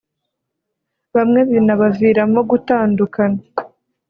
bamwe binabaviramo no gutandukana